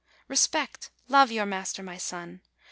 Respect, love your master, my son.